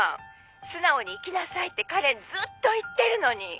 「素直に生きなさいってカレンずっと言ってるのに」